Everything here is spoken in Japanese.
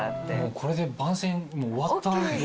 これで番宣終わった。